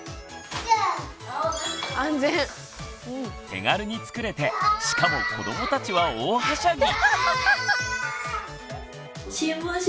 手軽に作れてしかも子どもたちは大はしゃぎ。